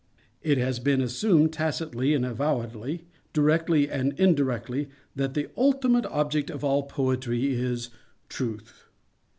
_It has been assumed, tacitly and avowedly, directly and indirectly, that the ultimate object of all Poetry is Truth.